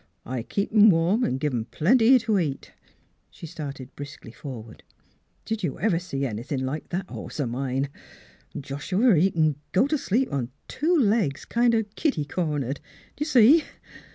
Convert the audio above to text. I keep 'em warm an' give 'em plenty t' eat." She started briskly forward. " Did you ever see anythin' like that horse o' mine? Joshua, he c'n go t' sleep on two legs, kind o' kitty cornered. D' you see?